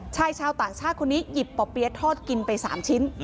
ชายชาวต่างชาติคนนี้หยิบป่อเปี๊ยะทอดกินไป๓ชิ้น